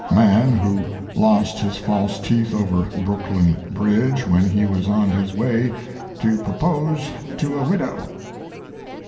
Man who lost his false teeth over Brooklyn Bridge when he was on his way to propose to a widow.